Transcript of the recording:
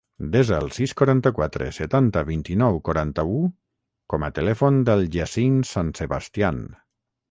Desa el sis, quaranta-quatre, setanta, vint-i-nou, quaranta-u com a telèfon del Yassin San Sebastian.